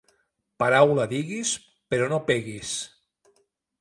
Paraula diguis, però no peguis.